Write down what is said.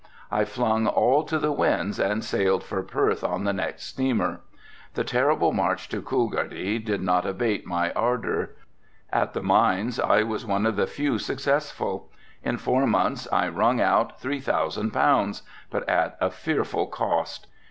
I flung all to the winds and sailed for Perth on the next steamer. The terrible march to Coolgardie did not abate my ardour. At the mines I was one of the few successful. In four months I wrung out three thousand pounds, but at a fearful cost.